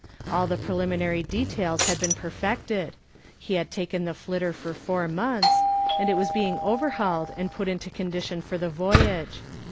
All the preliminary details had been perfected. He had taken the "Flitter" for four months, and it was being overhauled and put into condition for the voyage.